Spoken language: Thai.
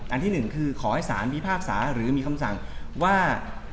อันที่หนึ่งคือขอให้ศาลมีภาพศาหรือมีคำสั่งว่า